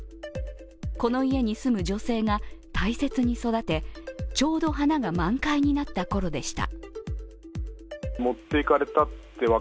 この家に住む女性が大切に育て、ちょうど花が満開になった頃でした。